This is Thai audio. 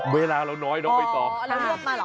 เวลาเราน้อยเนาะไปต่อ